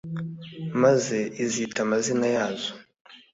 maze izita amazina yazo